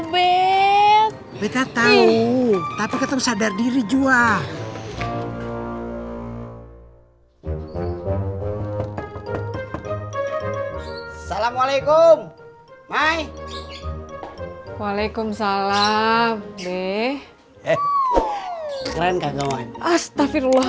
bet betah tahu tapi ketemu sadar diri jua salamualaikum my walaikum salam deh astagfirullah